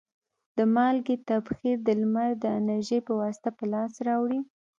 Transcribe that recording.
د مالګې تبخیر د لمر د انرژي په واسطه په لاس راوړي.